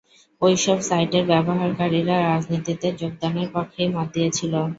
ওই সব সাইটের ব্যবহারকারীরা রাজনীতিতে যোগদানের পক্ষেই মত দিয়েছিল।